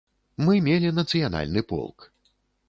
Мы мелі нацыянальны полк.